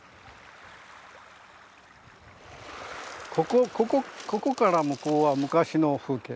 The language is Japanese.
ここから向こうは昔の風景。